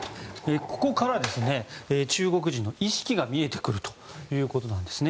ここから中国人の意識が見えてくるということです。